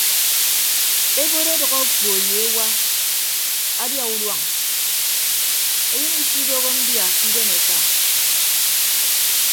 Ebot ọdʌk okpo ye ewa adia uduañ eyịn isidooho mbia ke idem eka.